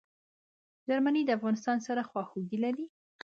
جرمني د افغانستان سره خواخوږي لري.